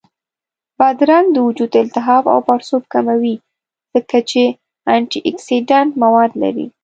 بادرنګ د وجود التهاب او پړسوب کموي، ځکه چې انټياکسیدنټ مواد لري